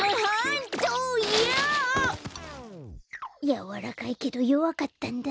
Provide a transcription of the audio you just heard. やわらかいけどよわかったんだ。